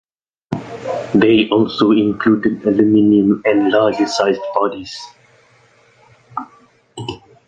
They also included aluminium and larger sized bodies.